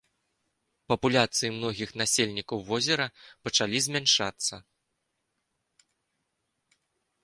Папуляцыі многіх насельнікаў возера пачалі змяншацца.